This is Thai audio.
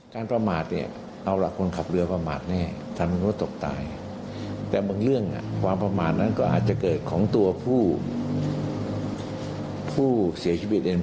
คุณขับเรือไปเนี่ย